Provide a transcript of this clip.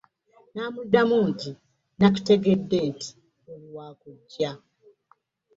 Namuddamu nti, “Nakitegedde nti oli wa kujja".